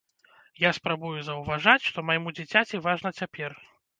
Я спрабую заўважаць, што майму дзіцяці важна цяпер.